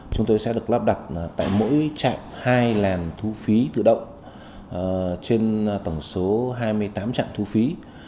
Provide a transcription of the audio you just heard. chúng tôi sẽ được lắp đặt tại mỗi trạm hai làn thu phí tự động trên tổng số hai mươi tám trạm thu phí